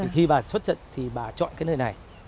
khi bà xuất trận thì bà chọn cái nơi này